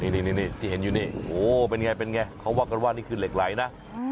นี่ที่เห็นอยู่นี่โอ้โหเป็นไงเป็นไงเขาว่ากันว่านี่คือเหล็กไหลนะ